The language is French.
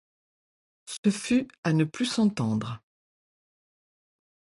Ce fut à ne plus s'entendre.